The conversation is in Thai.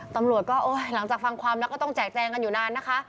ตำรวจก็หลังจากฟังความแล้วก็ต้องแจกแจงกันอยู่นานนะคะ